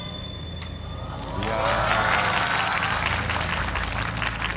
いや。